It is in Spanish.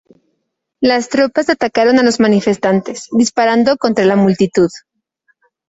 Las tropas atacaron a los manifestantes, disparando contra la multitud.